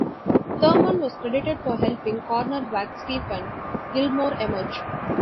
Thurman was credited for helping cornerback Stephon Gilmore emerge.